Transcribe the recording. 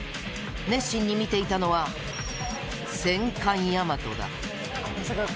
熱心に見ていたのは戦艦「大和」だ。